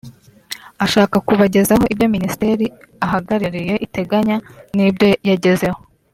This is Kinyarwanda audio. ashaka kubagezaho ibyo Minisiteri ahagarariye itegenya n’ibyo yagezeho